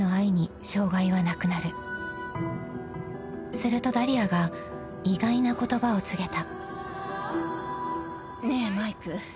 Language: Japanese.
［するとダリアが意外な言葉を告げた］